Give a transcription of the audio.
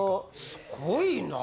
すごいな。